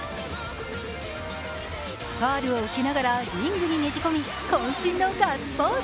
ファウルを受けながらリングにねじ込みこん身のガッツポーズ。